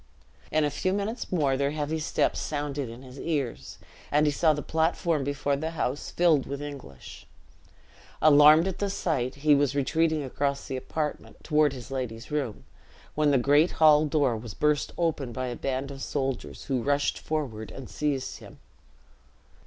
In a few minutes more their heavy steps sounded in his ears, and he saw the platform before the house filled with English. Alarmed at the sight, he was retreating across the apartment, toward his lady's room, when the great hall door was burst open by a band of soldiers, who rushed forward and seized him.